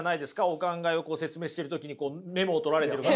お考えを説明してる時にメモを取られてる方。